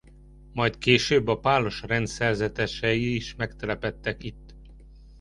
Majd később a pálos rend szerzetesei is megtelepedtek itt.